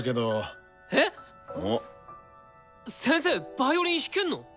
ヴァイオリン弾けんの！？